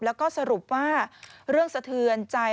แล้วก็สรุปว่าเรื่องสะเทือนใจ